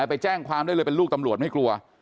ไปแจ้งความได้เลยเป็นลูกตำรวจไม่กลัว